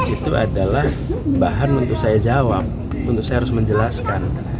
itu adalah bahan untuk saya jawab untuk saya harus menjelaskan